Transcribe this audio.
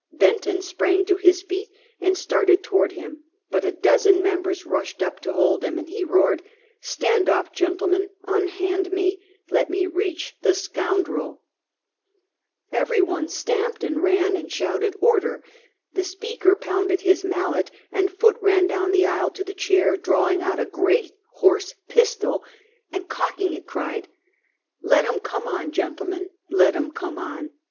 Benton sprang to his feet, and started to ward him, but a dozen members rushed up to hold him, and he roared :" Stand off, gentlemen! Unhand me! Let me reach the scoundrel!" Daniel Webster. 131 Everyone stamped, and ran, and sliouted "Order!" The speaker pounded with his mallet, and Foot ran down the aisle to the chair, drawing ont a great horse pistol and cocking it, cried :" Let him come on, gentlemen! let him come on!